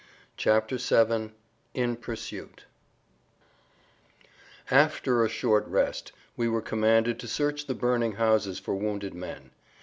[Pg 49] VII IN PURSUIT After a short rest we were commanded to search the burning houses for wounded men.